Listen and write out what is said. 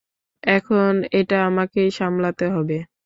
এখন এটা আমাকেই সামলাতে হবে।